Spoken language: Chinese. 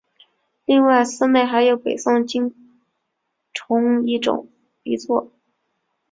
另外寺内还有北宋经幢一座。